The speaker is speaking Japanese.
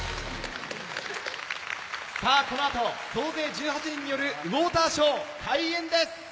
この後、総勢１８人によるウォーターショー開演です！